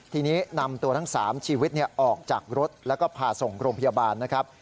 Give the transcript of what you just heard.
ทีนี้นำตัวทั้ง๓ชีวิตออกจากรถแล้วก็พาส่งโรงพยาบาลนะครับ